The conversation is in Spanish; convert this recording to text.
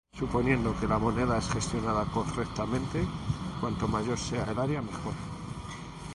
Suponiendo que la moneda es gestionada correctamente, cuanto mayor sea el área, mejor.